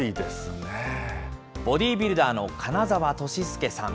ボディービルダーの金澤としすけさん。